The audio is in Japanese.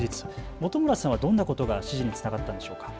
本村さんはどんなことが支持につながったんでしょうか。